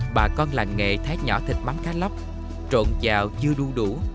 bà con là nghệ thái nhỏ thịt mắm cá lóc trộn chào dưa đu đủ